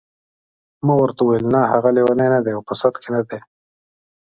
ما ورته وویل نه هغه لیونی نه دی او په سد کې دی.